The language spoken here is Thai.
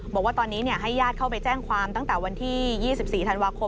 บอกว่าตอนนี้ให้ญาติเข้าไปแจ้งความตั้งแต่วันที่๒๔ธันวาคม